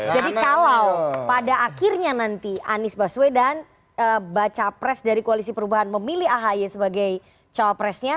jadi kalau pada akhirnya nanti anies baswedan baca pres dari koalisi perubahan memilih ahy sebagai cowok presnya